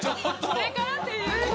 これからっていう。